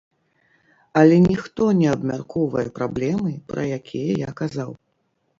Але ніхто не абмяркоўвае праблемы, пра якія я казаў.